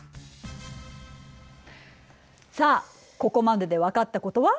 さあここまでで分かったことは？